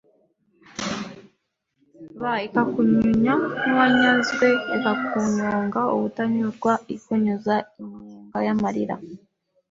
b ikakunyunya nk’uwanyazwe bikakunyonga ubutanyurwa ikunyuza inyenga y’amarira